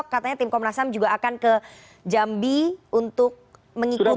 katanya tim komnas ham juga akan ke jambi untuk mengikuti